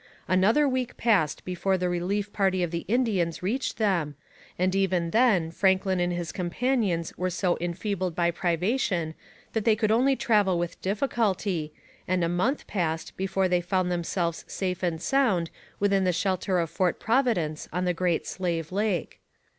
Another week passed before the relief party of the Indians reached them, and even then Franklin and his companions were so enfeebled by privation that they could only travel with difficulty, and a month passed before they found themselves safe and sound within the shelter of Fort Providence on the Great Slave Lake.